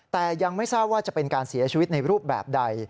แต่ยังไม่ทราบว่าจะเป็นการเสียชีวิตในรูปแบบใด